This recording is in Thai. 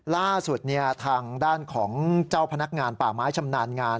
ล่าสุดทางด้านของเจ้าพนักงานป่าไม้ชำนาญงาน